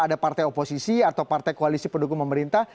ada partai oposisi atau partai koalisi pendukung pemerintah